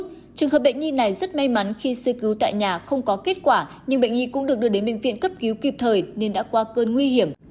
trong trường hợp bệnh nhi này rất may mắn khi sơ cứu tại nhà không có kết quả nhưng bệnh nhi cũng được đưa đến bệnh viện cấp cứu kịp thời nên đã qua cơn nguy hiểm